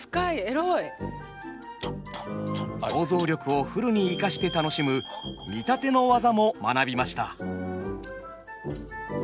想像力をフルに生かして楽しむ「見立て」の技も学びました。